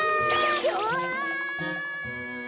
うわ！